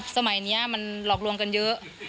สมัยนี้มันหลอกลวงกันเยอะ